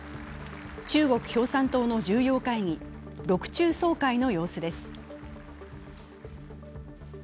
中国共産党の重要会議、６中総会の様子です。